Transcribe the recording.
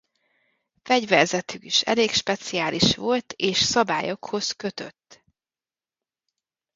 Fegyverzetük is elég speciális volt és szabályokhoz kötött.